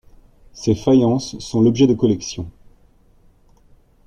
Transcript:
Ces faïences sont l'objet de collection.